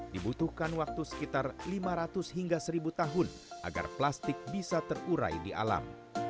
dibutuhkan waktu sekitar lima ratus hingga seribu tahun agar plastik bisa terurai di alam